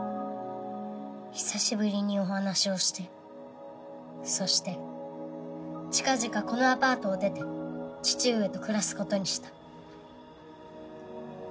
久しぶりにお話をしてそして近々このアパートを出て父上と暮らす事にした。